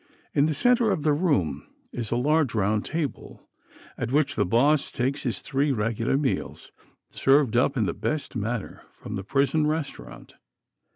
In the centre of the room is a large round table, at which the 'Boss' takes his three regular meals, served up in the best manner from the prison restaurant.